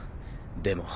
でも。